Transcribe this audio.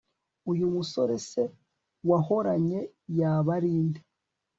uyu musore se wahoranye yaba ari nde